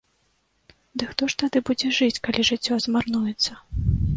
Дык хто ж тады будзе жыць, калі жыццё змарнуецца?